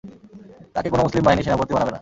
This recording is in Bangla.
তাঁকে কোন মুসলিম বাহিনীর সেনাপতি বানাবে না।